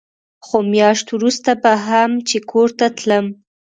خو مياشت وروسته به هم چې کور ته تلم.